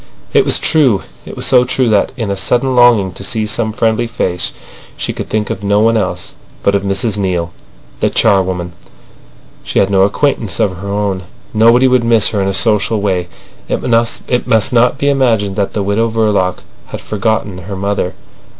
It was true. It was so true that, in a sudden longing to see some friendly face, she could think of no one else but of Mrs Neale, the charwoman. She had no acquaintances of her own. Nobody would miss her in a social way. It must not be imagined that the Widow Verloc had forgotten her mother.